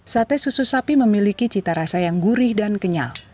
sate susu sapi memiliki cita rasa yang gurih dan kenyal